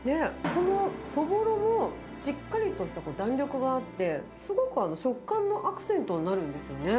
このそぼろもしっかりとした弾力があって、すごく食感のアクセントになるんですよね。